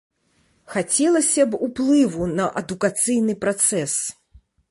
Хацелася б уплыву на адукацыйны працэс.